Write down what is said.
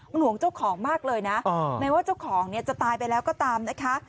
มันห่วงเจ้าของมากเลยนะแม้ว่าเจ้าของเนี่ยจะตายไปแล้วก็ตามนะคะ